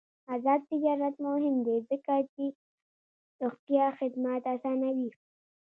آزاد تجارت مهم دی ځکه چې روغتیا خدمات اسانوي.